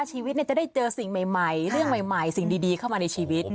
ชีวิตจะได้เจอสิ่งใหม่เรื่องใหม่สิ่งดีเข้ามาในชีวิต